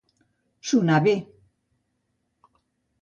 Sonar bé.